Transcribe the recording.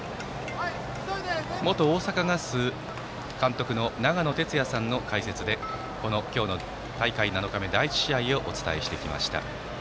元大阪ガス監督の長野哲也さんの解説でこの今日の大会７日目第１試合をお伝えしてきました。